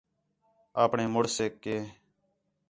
آپݨے مڑسیک کہ